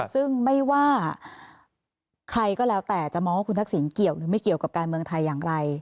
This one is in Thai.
ซึ่งไม่ว่าใครก็แล้วแต่จะมองว่าคุณทักษิณเกี่ยวหรือไม่เกี่ยวกับการเมืองไทยอย่างไร